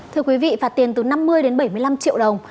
thưa quý vị phạt tiền từ năm mươi đến bảy mươi năm triệu đồng